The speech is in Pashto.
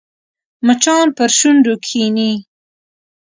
مچان پر شونډو کښېني